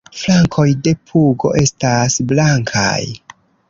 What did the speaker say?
Flankoj de pugo estas blankaj.